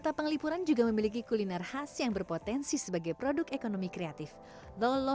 tambahkan gula asam dan berbagai bahan alami lainnya